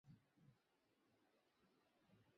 এখানে কিছুই দেখা যাচ্ছে না।